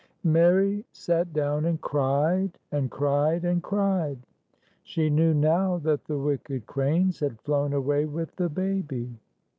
Mary sat down and cried, and cried, and cried. She knew now that the wicked cranes had flown away with the baby.